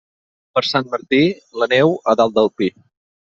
Per Sant Martí, la neu a dalt del pi.